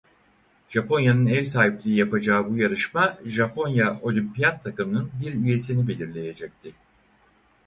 Japonya'nın ev sahipliği yapacağı bu yarışma Japonya Olimpiyat takımının bir üyesini belirleyecekti.